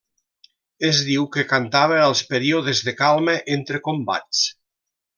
Es diu que cantava als períodes de calma entre combats.